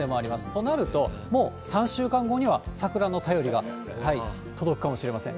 となると、もう３週間後には桜の便りが届くかもしれません。